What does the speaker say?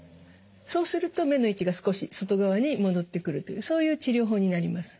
そうすると目の位置が少し外側に戻ってくるというそういう治療法になります。